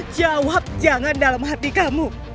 jawab jangan dalam hati kamu